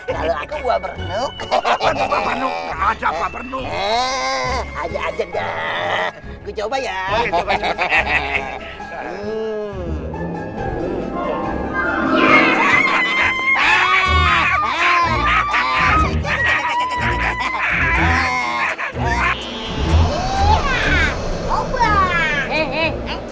kalau aku suka buah apa kamu suka buah apa kamu suka buah apa kamu suka buah apa kamu suka buah apa